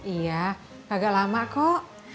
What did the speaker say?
iya agak lama kok